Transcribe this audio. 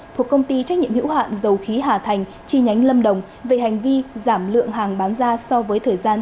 thuộc công ty trách nhiệm hữu hạn dầu khí hà thành chi nhánh lâm đồng về hành vi giảm lượng hàng bán ra so với thời gian